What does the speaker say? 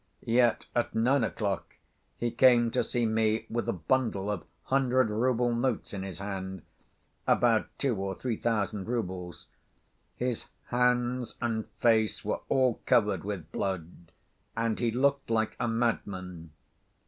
Yet at nine o'clock, he came to see me with a bundle of hundred‐rouble notes in his hand, about two or three thousand roubles. His hands and face were all covered with blood, and he looked like a madman.